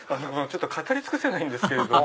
語り尽くせないんですけれども。